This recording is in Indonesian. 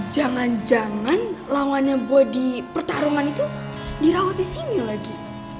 jangan jangan lawannya body pertarungan itu dirawat di sini lagi